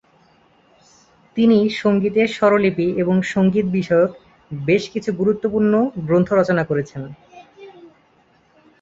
তিনি সঙ্গীতের স্বরলিপি এবং সঙ্গীত বিষয়ক বেশ কিছু গুরুত্বপূর্ণ গ্রন্থ রচনা করেছেন।